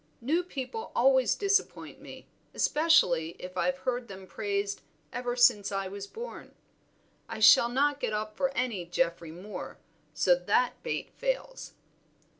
New people always disappoint me, especially if I've heard them praised ever since I was born. I shall not get up for any Geoffrey Moor, so that bait fails."